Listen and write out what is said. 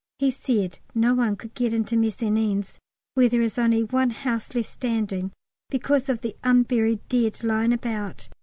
He said no one could get into Messines, where there is only one house left standing, because of the unburied dead lying about.